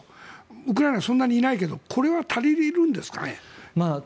ウクライナはそんなにいないけどこれは足りるんですかね。